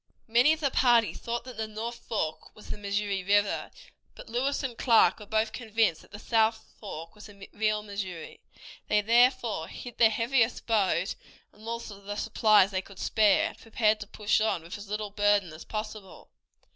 Many of the party thought that the north fork was the Missouri River, but Lewis and Clark were both convinced that the south fork was the real Missouri. They therefore hid their heaviest boat and all the supplies they could spare, and prepared to push on with as little burden as possible.